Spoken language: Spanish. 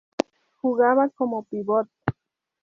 Jugaba como pívot.